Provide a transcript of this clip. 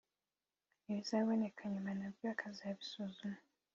ibizaboneka nyuma na byo akazabisuzuma